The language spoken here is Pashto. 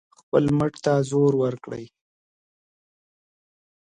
خپل مټ ته زور ورکړئ.